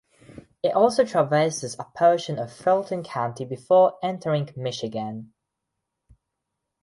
It also traverses a portion of Fulton County before entering Michigan.